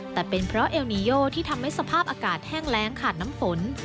แต่เป็นเพราะเอลนีโยที่ทำให้สภาพอากาศแห้งแรงขาดน้ำฝน